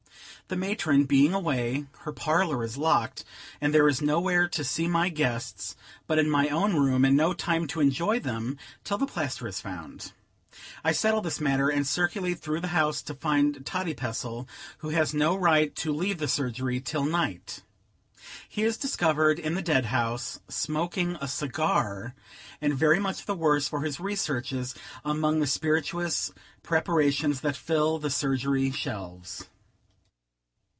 The matron being away, her parlor is locked, and there is no where to see my guests but in my own room, and no time to enjoy them till the plaster is found. I settle this matter, and circulate through the house to find Toddypestle, who has no right to leave the surgery till night. He is discovered in the dead house, smoking a cigar, and very much the worse for his researches among the spirituous preparations that fill the surgery shelves.